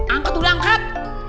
angkat udah angkat